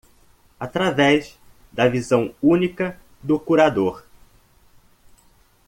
Através da visão única do curador